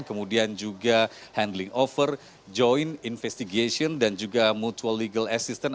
kemudian juga handling over joint investigation dan juga mutual legal assistance